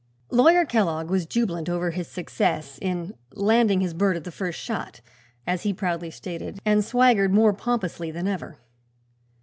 Lawyer Kellogg was jubilant over his success in "landing his bird at the first shot," as he proudly stated, and swaggered more pompously than ever.